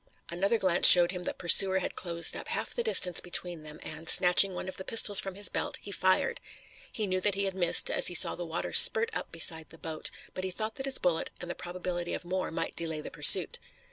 Another glance showed him that pursuer had closed up half the distance between them, and, snatching one of the pistols from his belt, he fired. He knew that he had missed, as he saw the water spurt up beside the boat, but he thought that his bullet and the probability of more might delay the pursuit.